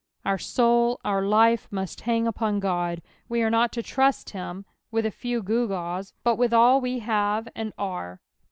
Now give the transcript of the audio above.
Our soul, our life, must hang uiwn God ; we are nut to trust him with a few gewgaws, but with all we have and are.